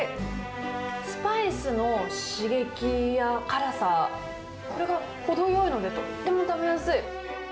スパイスの刺激や辛さ、これが程よいので、とっても食べやすい。